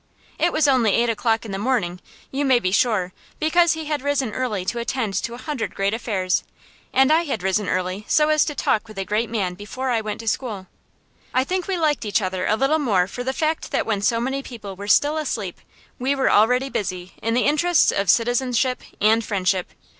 It was only eight o'clock in the morning, you may be sure, because he had risen early to attend to a hundred great affairs, and I had risen early so as to talk with a great man before I went to school. I think we liked each other a little the more for the fact that when so many people were still asleep, we were already busy in the interests of citizenship and friendship.